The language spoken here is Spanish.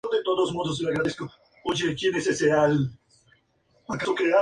Aún en el mismo año, graba su primer álbum, intitulado "Ojos Chicos".